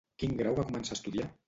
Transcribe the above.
Quin grau va començar a estudiar?